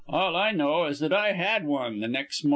All I know is that I had wan th' nex' mornin'."